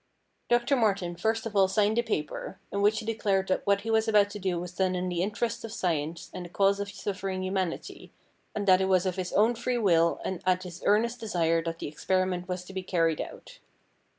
Dr. Martin first of all signed a paper, in which he declared that what he was about to do was done in the interests of science and the cause of suffering humanity, and that it was of his 314 STORIES WEIRD AND WONDERFUL own free will and at his earnest desire that the experiment was to be carried out.